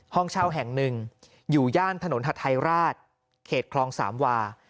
ห้องเช่าแห่งหนึ่งอยู่ย่านถนนฮัทไทยราชเขตคลองสามวา